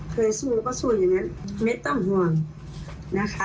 เคยสู้ก็สู้อย่างนั้นไม่ต้องห่วงนะคะ